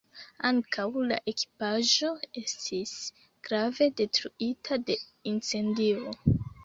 Ankaŭ la ekipaĵo estis grave detruita de incendio.